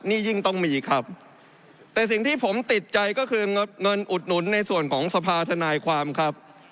นี่ยิ่งต้องมีครับแต่สิ่งที่ผมติดใจก็คือเงินอุดหนุนในส่วนของสภาธนายความครับ